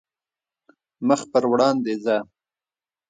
مخ پر وړاندې ځه .